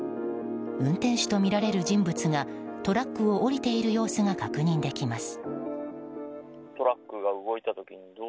運転手とみられる人物がトラックを降りている様子が確認できます。